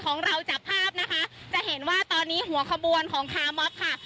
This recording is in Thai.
ของเราจับภาพนะคะจะเห็นว่าตอนนี้หัวขบวนของคาร์มอบค่ะ